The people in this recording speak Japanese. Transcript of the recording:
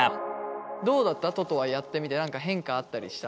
どうだった？ととはやってみて何か変化あったりした？